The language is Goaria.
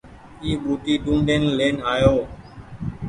اي ٻوٽي ڊونڊين لين آئو